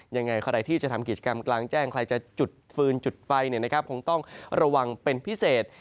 ยังไงใครที่จะทำกิจกรรมกลางแจ้งใครจะจุดฟืนจุดไฟคงต้องระวังเป็นพิเศษ